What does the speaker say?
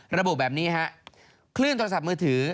ระบุแบบนี้ฮะคลื่นโทรศัพท์มือถือ